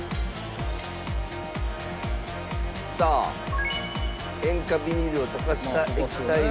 さあ塩化ビニルを溶かした液体状に。